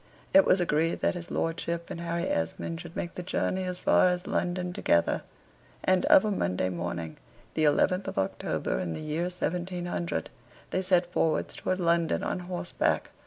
It was agreed that his lordship and Harry Esmond should make the journey as far as London together; and of a Monday morning, the 11th of October, in the year 1700, they set forwards towards London on horseback.